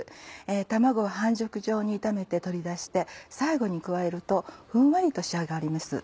卵を半熟状に炒めて取り出して最後に加えるとふんわりと仕上がります。